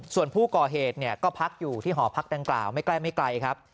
ส่วนผู้ก่อเหตุเนี่ยก็พักอยู่ที่หอพักดังกล่าวไม่ไกลครับ